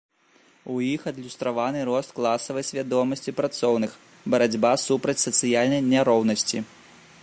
У іх адлюстраваны рост класавай свядомасці працоўных, барацьба супраць сацыяльнай няроўнасці.